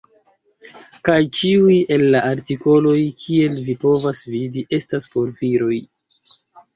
Kaj ĉiuj el la artikoloj, kiel vi povas vidi, estas por viroj.